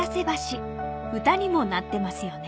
［歌にもなってますよね］